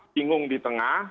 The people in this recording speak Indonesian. bingung di tengah